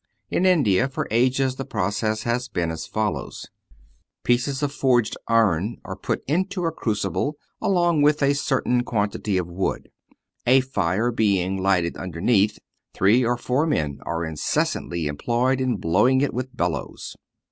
In India for ages the process has been as follows: pieces of forged iron are put into a crucible along with a certain quantity of wood. A fire being lighted underneath, three or four men are incessantly employed in blowing it with bellows.